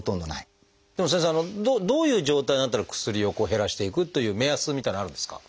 でも先生どういう状態になったら薬を減らしていくという目安みたいなのはあるんですか？